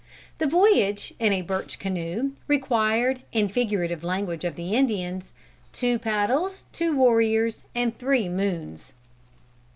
The voyage, in a birch canoe, required, in the figurative language of the Indians, "two paddles, two warriors and three moons."